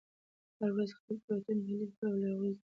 هره ورځ خپلې تیروتنې تحلیل کړه او له هغوی زده کړه وکړه.